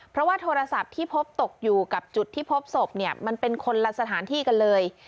เพราะว่าโทรศัพท์ที่พบตกอยู่กับจุดที่พบศพเนี่ยมันเป็นคนละสถานที่กันเลย